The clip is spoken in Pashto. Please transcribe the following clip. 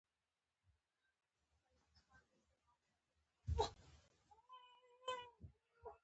په ډالرو باړه شوی، که غلجی که درانی دی